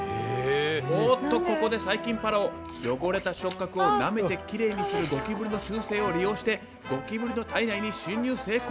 おっとここで細菌パラオ汚れた触角をなめてきれいにするゴキブリの習性を利用してゴキブリの体内に侵入成功！